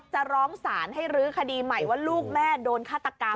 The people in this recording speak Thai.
จะร้องศาลให้รื้อคดีใหม่ว่าลูกแม่โดนฆาตกรรม